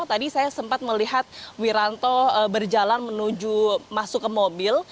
tadi saya sempat melihat wiranto berjalan menuju masuk ke mobil